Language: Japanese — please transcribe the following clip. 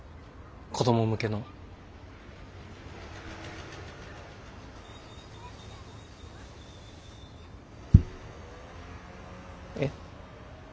子供向けの。え？